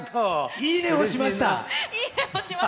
いいね押しました。